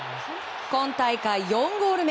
今大会４ゴール目。